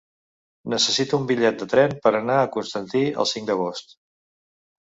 Necessito un bitllet de tren per anar a Constantí el cinc d'agost.